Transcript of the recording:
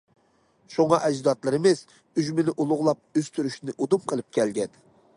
شۇڭا، ئەجدادلىرىمىز ئۈجمىنى ئۇلۇغلاپ ئۆستۈرۈشنى ئۇدۇم قىلىپ كەلگەن.